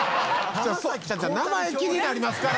名前気になりますから。